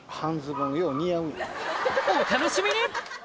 お楽しみに！